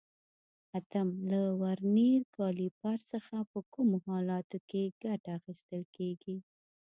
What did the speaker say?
اتم: له ورنیر کالیپر څخه په کومو حالاتو کې ګټه اخیستل کېږي؟